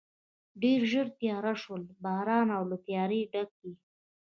ډېر ژر تېاره شول، باران او له تیارې ډکې.